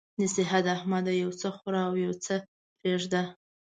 نصيحت: احمده! یو څه خوره او يو څه پرېږده.